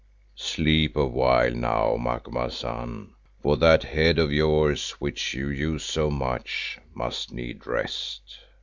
Sleep a while now, Macumazahn, for that head of yours which you use so much, must need rest.